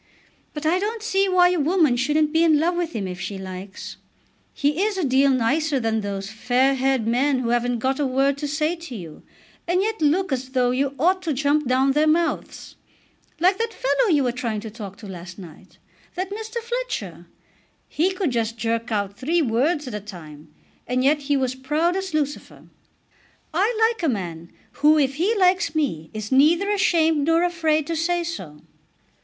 But I don't see why a woman shouldn't be in love with him if she likes. He is a deal nicer than those fair haired men who haven't got a word to say to you, and yet look as though you ought to jump down their mouths; like that fellow you were trying to talk to last night; that Mr. Fletcher. He could just jerk out three words at a time, and yet he was proud as Lucifer. I like a man who if he likes me is neither ashamed nor afraid to say so."